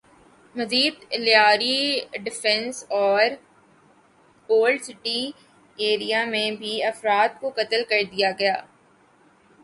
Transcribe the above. مزید لیاری ڈیفنس اور old city area میں بھی افراد کو قتل کر دیا گیا